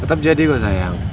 tetap jadi kok sayang